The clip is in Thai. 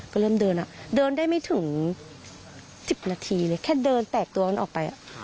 ก็เริ่มเดินเดินได้ไม่ถึง๑๐นาทีเลยแค่เดินแตกตัวมันออกไป